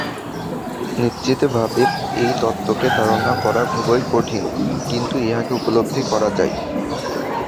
নিশ্চিতভাবে এই তত্ত্বকে ধারণা করা খুবই কঠিন, কিন্তু ইহাকে উপলব্ধি করা যায়।